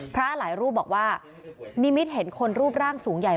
หลายรูปบอกว่านิมิตเห็นคนรูปร่างสูงใหญ่